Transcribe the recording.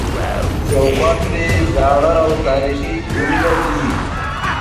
شاوخوا ترې زاړه او تاریخي کورونه دي.